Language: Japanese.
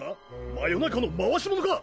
魔夜中の回し者か！？